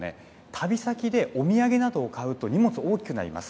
旅先でお土産などを買うと、荷物大きくなります。